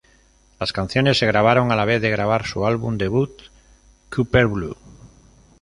Las canciones se grabaron a la vez de grabar su álbum debut "Copper Blue".